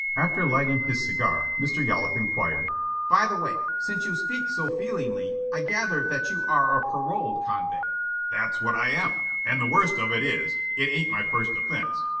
After lighting his cigar Mr. Yollop inquired: "By the way, since you speak so feelingly I gather that you are a paroled convict." "That's what I am. And the worst of it is, it ain't my first offense.